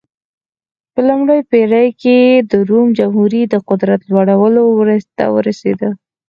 په لومړۍ پېړۍ کې د روم جمهوري د قدرت لوړو ته ورسېده.